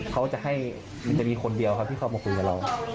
เขาจะให้มันจะมีคนเดียวครับที่เข้ามาคุยกับเรา